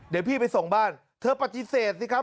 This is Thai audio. เดี๋ยวพี่ไปส่งบ้านเธอปฏิเสธสิครับ